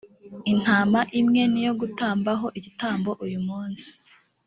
intama imwe niyo gutamba ho igitambo uyu munsi